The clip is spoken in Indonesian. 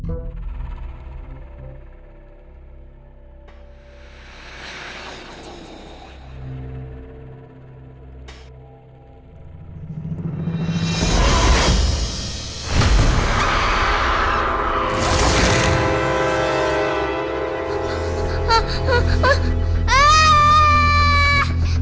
aku jauh jauh disini